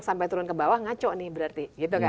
sampai turun ke bawah ngaco nih berarti